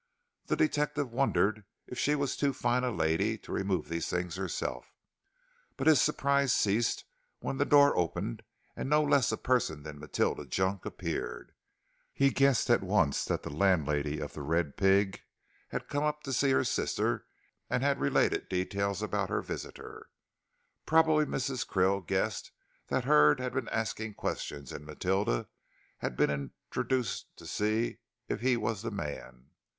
The detective wondered if she was too fine a lady to remove these things herself, but his surprise ceased when the door opened and no less a person than Matilda Junk appeared. He guessed at once that the landlady of "The Red Pig" had come up to see her sister and had related details about her visitor. Probably Mrs. Krill guessed that Hurd had been asking questions, and Matilda had been introduced to see if he was the man.